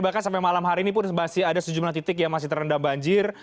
bahkan sampai malam hari ini pun masih ada sejumlah titik yang masih terendam banjir